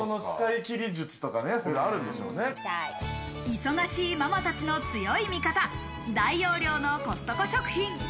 忙しいママたちの強い味方、大容量のコストコ食品。